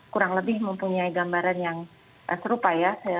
kurang lebih mempunyai gambaran yang serupa ya